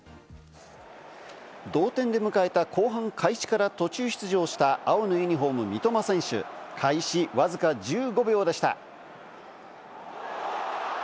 同点で迎えた後半開始から途中出場した青のユニホーム、三笘選手、開始わずか１５秒でした。